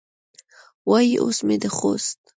وایي اوس مې د خوست